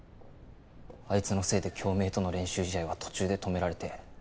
あいつのせいで京明との練習試合は途中で止められて。